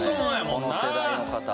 この世代の方。